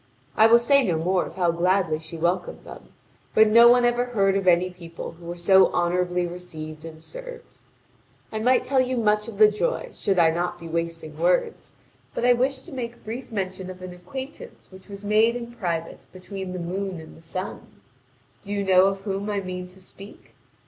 I will say no more of how gladly she welcomed them, but no one ever heard of any people who were so honourably received and served. I might tell you much of the joy should I not be wasting words, but I wish to make brief mention of an acquaintance which was made in private between the moon and the sun. Do you know of whom I mean to speak?